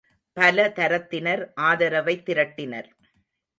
பல தரத்தினர் ஆதரவைத் திரட்டினர்.